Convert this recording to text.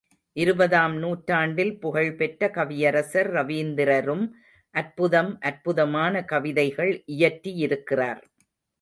இருபதாம் நூற்றாண்டில் புகழ் பெற்ற கவியரசர் ரவீந்திரரும் அற்புதம் அற்புதமான கவிதைகள் இயற்றியிருக்கிறார்.